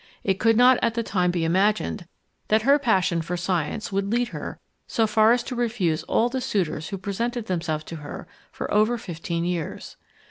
It could not at the time be imagined that her passion for science would lead her so far as to refuse all the suitors who presented themselves to her for over fifteen years.